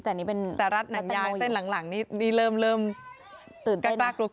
แต่รัดหนังยาเส้นหลังนี่เริ่มดรากรัก